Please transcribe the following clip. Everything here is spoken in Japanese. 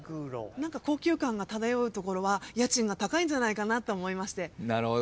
高級感が漂う所は家賃が高いんじゃないかと思いまして。